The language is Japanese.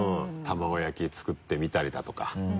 卵焼き作ってみたりだとか。